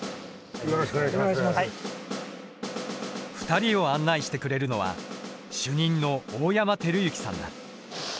２人を案内してくれるのは主任の大山晃主さんだ。